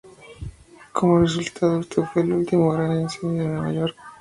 Como resultado, este fue el último gran incendio de Nueva York.